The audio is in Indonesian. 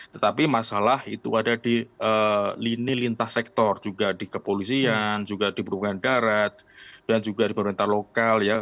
tetapi masalah itu ada di lini lintas sektor juga di kepolisian juga di perhubungan darat dan juga di pemerintah lokal ya